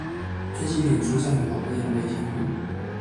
最近臉書上有好多鳥類新聞